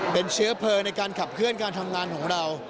เป็นเชื้อเพลิงในการขับเคลื่อนการทำงานของเรา